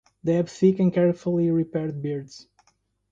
They have thick and carefully repaired beards.